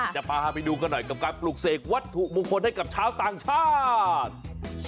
จะพาไปดูกันหน่อยกับการปลูกเสกวัตถุมงคลให้กับชาวต่างชาติ